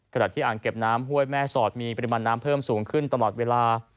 ขณะที่อ่างเก็บน้ำห้วยแม่สอดมีปริมาณน้ำเพิ่มสูงขึ้นตลอดเวลา